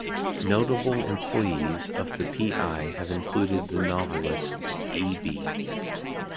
Notable employees of the "P-I" have included the novelists E. B.